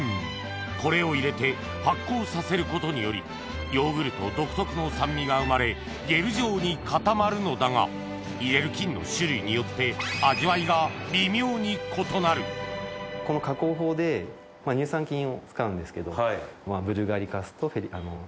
これを入れて発酵させることによりヨーグルト独特の酸味が生まれゲル状に固まるのだが入れる菌の種類によって味わいが微妙に異なるこの加工法で乳酸菌を使うんですけど。